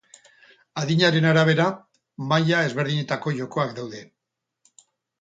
Adinaren arabera, maila ezberdinetako jokoak daude.